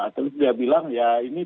terus dia bilang ya ini